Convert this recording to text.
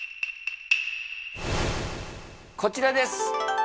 こちらです。